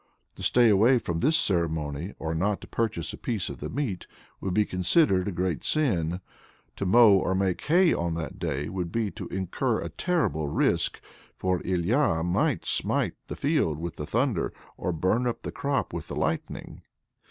To stay away from this ceremony, or not to purchase a piece of the meat, would be considered a great sin; to mow or make hay on that day would be to incur a terrible risk, for Ilya might smite the field with the thunder, or burn up the crop with the lightning.